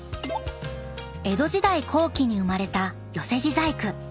［江戸時代後期に生まれた寄木細工］